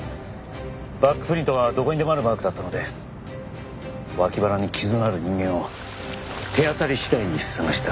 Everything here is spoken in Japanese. バックプリントはどこにでもあるマークだったので脇腹に傷のある人間を手当たり次第に捜した。